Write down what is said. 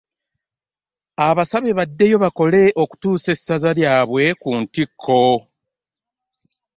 Abasabye baddeyo bakole okutuusa essaza lyabwe ku ntikko.